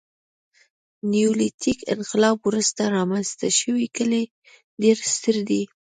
نیولیتیک انقلاب وروسته رامنځته شوي کلي ډېر ستر دي.